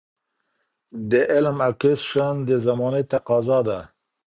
د علم Acquisition د زمانې تقاضا ده.